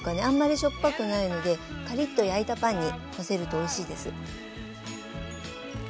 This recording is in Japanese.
あんまりしょっぱくないのでカリッと焼いたパンにのせるとおいしいです。